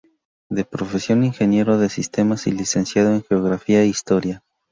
De profesión ingeniero de sistemas y licenciado en geografía e historia.